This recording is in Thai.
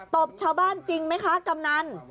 บชาวบ้านจริงไหมคะกำนัน